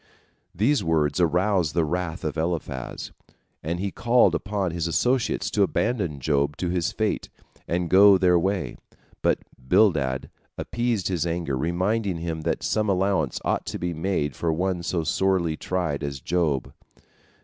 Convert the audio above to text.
These words aroused the wrath of Eliphaz, and he called upon his associates to abandon Job to his fate and go their way. But Bildad appeased his anger, reminding him that some allowance ought to be made for one so sorely tried as Job.